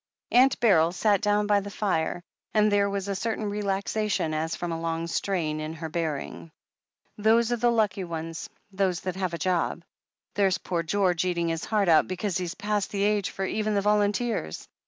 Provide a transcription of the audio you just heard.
Aunt Beryl sat down by the fire, and there was a certain relaxation, as from a long strain, in her bearing. "Those are the lucky ones, those that have a job. There's poor George eating his heart out because he's past the age for even the volunteers.